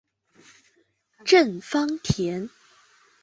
郑芳田。